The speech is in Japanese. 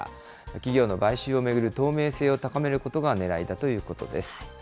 企業の買収を巡る透明性を高めることがねらいだということです。